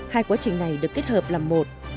hai quá trình này được kết hợp là một